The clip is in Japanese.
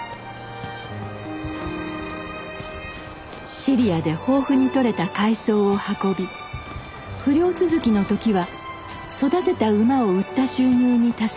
尻屋で豊富にとれた海藻を運び不漁続きの時は育てた馬を売った収入に助けられました。